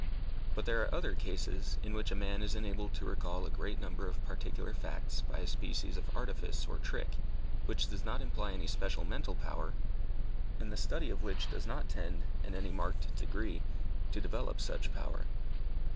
But there are other cases, in which a man is enabled to recall a great number of particular facts by a species of artifice or trick, which does not imply any special mental power, and the study of which does not tend, in any marked degree, to develop such power.